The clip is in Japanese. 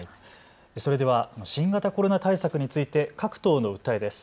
それでは新型コロナ対策について各党の訴えです。